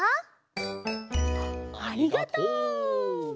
ありがとう。